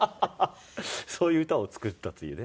そういう歌を作ったというね。